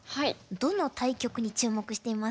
どの対局に注目していますか？